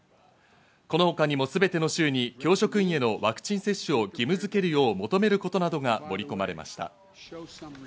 このほかにもすべての州に教職員へのワクチン接種を義務づけるよう求めることなどが盛り込まれました。